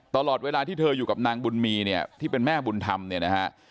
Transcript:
ตลอดเวลาที่เธออยู่กับนางบุญมีเนี่ยที่เป็นแม่บุญธรรมเนี่ยนะฮะ